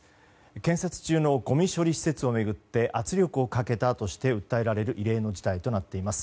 建設中のごみ処理施設を巡って圧力をかけたとして訴えられる異例の事態となっています。